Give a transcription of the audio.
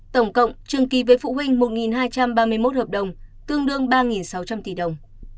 tổng cộng trường kỳ với phụ huynh một hai trăm ba mươi một hợp đồng tương đương ba sáu trăm linh tỷ đồng